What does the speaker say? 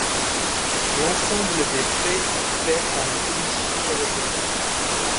L'ensemble des frais est couvert par la Commission Européenne.